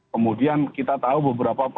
kemudian kita tahu beberapa